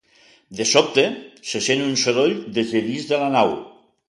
De sobte, se sent un soroll des de dins de la nau.